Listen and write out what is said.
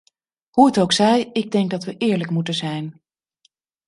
Hoe het ook zij, ik denk dat we eerlijk moeten zijn.